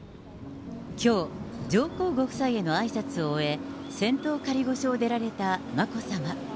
きょう、上皇ご夫妻へのあいさつを終え、仙洞仮御所を出られた眞子さま。